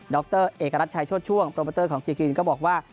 ดรเอกรัชชัยโชช่วงโปรเมอเตอร์ของเกร็ดกรินก็บอกว่า